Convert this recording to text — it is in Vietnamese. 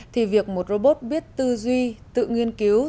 thì việc một robot biết tư duy tự nghiên cứu